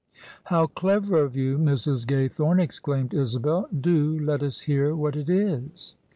"How clever of you, Mrs. Gaythornel" exclaimed Isabel. " Do let us hear what it is."